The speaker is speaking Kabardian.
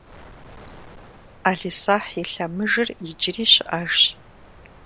Ӏэлисахь и лъэмыжыр иджыри щыӏэжщ.